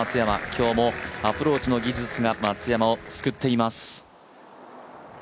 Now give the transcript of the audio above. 今日もアプローチの技術が松山を救っています。